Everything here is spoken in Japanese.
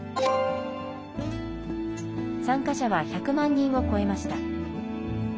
参加者は１００万人を超えました。